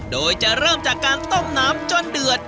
โดยจะเริ่มจากการต้มน้ำจนเดือด